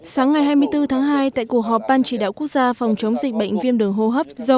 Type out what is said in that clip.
sáng ngày hai mươi bốn tháng hai tại cuộc họp ban chỉ đạo quốc gia phòng chống dịch bệnh viêm đường hô hấp do